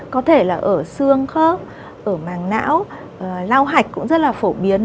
có thể là ở xương khớp ở màng não lao hạch cũng rất là phổ biến